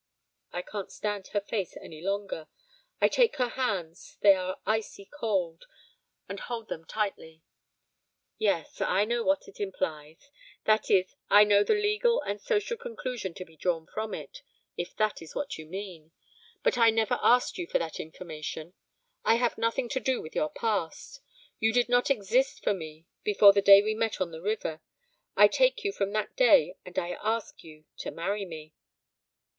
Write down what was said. I can't stand her face any longer. I take her hands, they are icy cold, and hold them tightly. 'Yes, I know what it implies, that is, I know the legal and social conclusion to be drawn from it if that is what you mean. But I never asked you for that information. I have nothing to do with your past. You did not exist for me before the day we met on the river. I take you from that day and I ask you to marry me.'